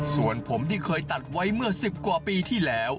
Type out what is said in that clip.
ส่วนผมที่เคยตัดไว้เมื่อ๑๐กว่าปีที่แล้ว